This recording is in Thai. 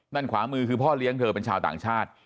ขวามือคือพ่อเลี้ยงเธอเป็นชาวต่างชาติ